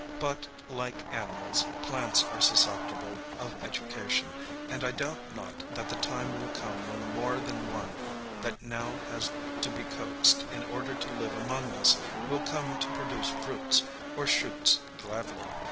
But, like an imals, plants are susceptible of education, and I doubt not that the time will come when more than one that now has to be coaxed in order to live among us will come to pro duce fruits or shoots gladly.